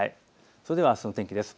それではあすの天気です。